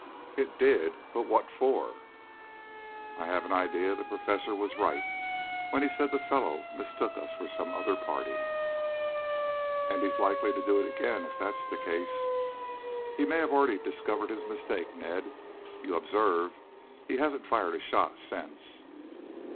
"It did. But what for?" "I have an idea the professor was right when he said the fellow mistook us for some other party." "And he's likely to do it again, if that's the case." "He may have already discovered his mistake, Ned. You observe he hasn't fired a shot since?"